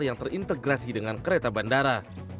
yang terintegrasi dengan kereta bandara